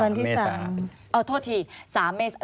ควิทยาลัยเชียร์สวัสดีครับ